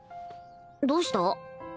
どうした？